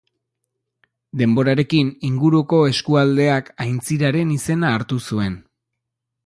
Denborarekin, inguruko eskualdeak aintziraren izena hartu zuen.